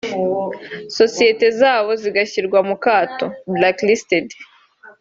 sosiyete zabo zigashyirwa mu kato (blacklisted)